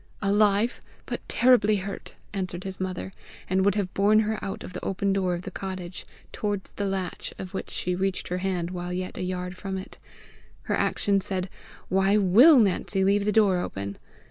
"Alive, but terribly hurt," answered his mother, and would have borne her out of the open door of the cottage, towards the latch of which she reached her hand while yet a yard from it. Her action said, "Why WILL Nancy leave the door open!"